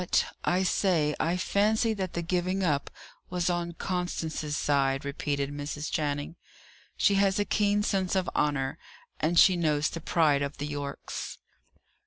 "But, I say I fancy that the giving up was on Constance's side," repeated Mrs. Channing. "She has a keen sense of honour, and she knows the pride of the Yorkes."